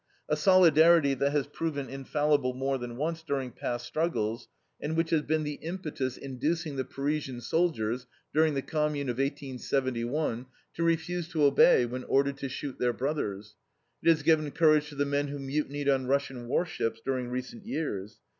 A solidarity that has proven infallible more than once during past struggles, and which has been the impetus inducing the Parisian soldiers, during the Commune of 1871, to refuse to obey when ordered to shoot their brothers. It has given courage to the men who mutinied on Russian warships during recent years.